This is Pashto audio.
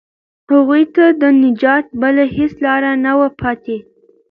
هغوی ته د نجات بله هیڅ لاره نه وه پاتې.